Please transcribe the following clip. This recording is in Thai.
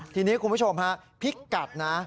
ทีนี้คุณผู้ชมฮะพิกัดนะ